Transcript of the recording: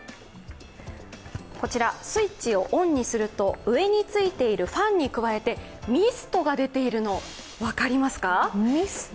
こちらスイッチをオンにすると上についているファンに加えてミストが出ているの分かりますか。